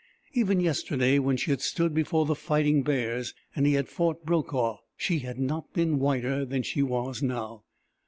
Even yesterday, when she had stood before the fighting bears, and he had fought Brokaw, she had not been whiter than she was now.